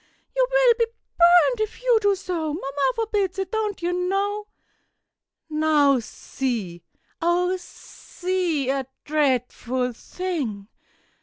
You will be burnt if you do so. Mamma forbids it, don't you know?" Now see! oh, see! a dreadful thing!